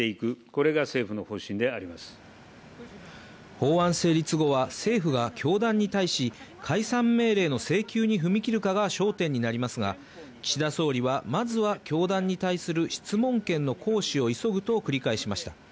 法案成立後は政府が教団に対し、解散命令の請求に踏み切るかが焦点になりますが、岸田総理は、まずは教団に対する質問権の行使を急ぐと繰り返しました。